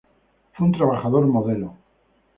Fue un trabajador modelo.